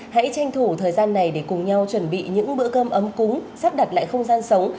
hãy tranh thủ thời gian này để cùng nhau chuẩn bị những bữa cơm ấm cúng sắp đặt lại không gian sống